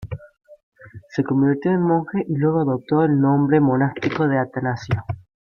Se convirtió en monje y luego adoptó el nombre monástico de "Atanasio".